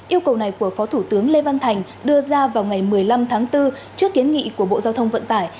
yêu cầu này của phó thủ tướng lê văn thành đưa ra vào ngày một mươi năm tháng bốn trước kiến nghị của bộ giao thông vận tải